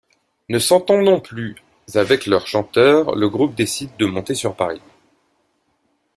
Ne s'entendant plus avec leur chanteur, le groupe décide de monter sur Paris.